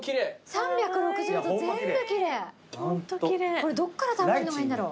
これどっから食べるのがいいんだろう